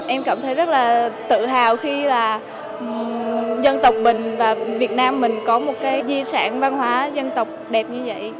em cảm thấy rất là tự hào khi là dân tộc mình và việt nam mình có một cái di sản văn hóa dân tộc đẹp như vậy